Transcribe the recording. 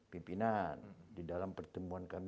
pimpinan di dalam pertemuan kami